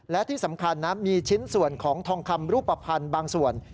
และที่สำคัญนะมีชิ้นส่วนของทองคำรูปภัณฑ์บางส่วน